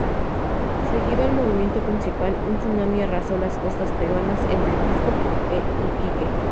Seguido al movimiento principal, un tsunami arrasó las costas peruanas entre Pisco e Iquique.